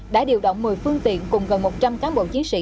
đã điều động một mươi phương tiện cùng gần một trăm linh cán bộ chiến sĩ